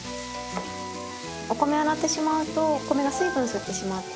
お米を洗ってしまうとお米が水分吸ってしまって。